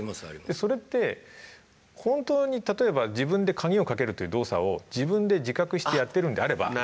それって、本当に例えば自分で鍵をかけるって動作を自分で自覚してやってるんであれば。